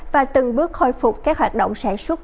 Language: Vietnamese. và từng bước khôi phục các hoạt động sản xuất